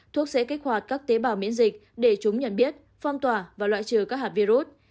thuốc sẽ kích hoạt các tế bào miễn dịch để chúng nhận biết phong tỏa và loại trừ các hạt virus